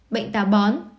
bệnh táo bón